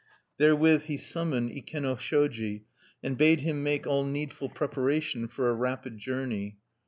Therewith he summoned Ikenoshoji, and bade him make all needful preparation for a rapid journey.